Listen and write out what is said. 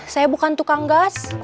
saya bukan tukang gas